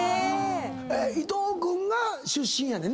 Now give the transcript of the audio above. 伊藤君が出身やねんね。